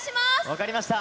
分かりました。